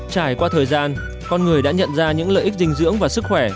trải qua thời gian con người đã nhận ra những lợi ích dinh dưỡng và sức khỏe